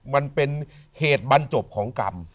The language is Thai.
มันเป็นเหตุบรรจบของกรรม